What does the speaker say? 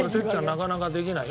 なかなかできないよ